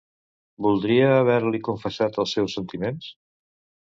Voldria haver-li confessat els seus sentiments?